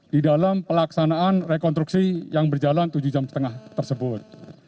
di dalam pelaksanaan rekonstruksi yang berjalan tujuh jam setengah tersebut